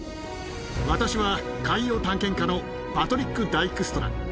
私は海洋探検家のパトリック・ダイクストラ。